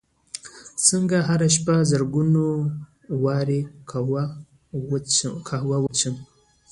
څنګه هره شپه زرګونه واره قهوه وڅښم